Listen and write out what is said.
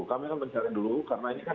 kami akan mencari dulu karena ini kan